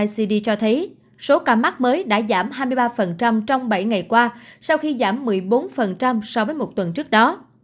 icd cho thấy số ca mắc mới đã giảm hai mươi ba trong bảy ngày qua sau khi giảm một mươi bốn so với một tuần trước đó